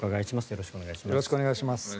よろしくお願いします。